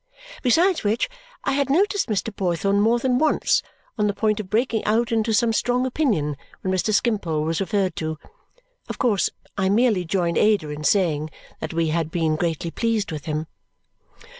Besides which, I had noticed Mr. Boythorn more than once on the point of breaking out into some strong opinion when Mr. Skimpole was referred to. Of course I merely joined Ada in saying that we had been greatly pleased with him.